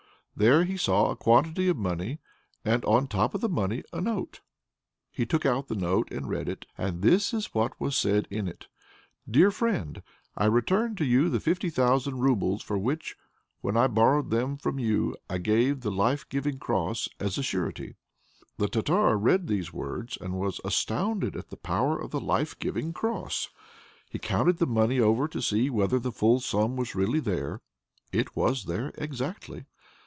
There he saw a quantity of money, and on top of the money a note. He took out the note and read it, and this is what was said in it: "Dear friend! I return to you the fifty thousand roubles for which, when I borrowed them from you, I gave the life giving cross as a surety." The Tartar read these words and was astounded at the power of the life giving cross. He counted the money over to see whether the full sum was really there. It was there exactly.